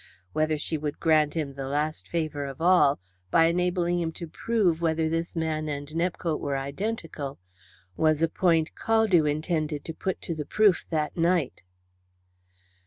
Whether she would grant him the last favour of all, by enabling him to prove whether this man and Nepcote were identical, was a point Caldew intended to put to the proof that night.